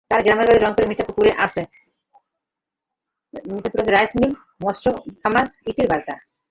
তার গ্রামের বাড়ি রংপুরের মিঠাপুকুরে আছে রাইস মিল, মৎস্য খামার, ইটের ভাটা।